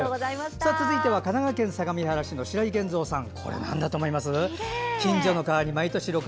続いては神奈川県相模原市の白井源三さん。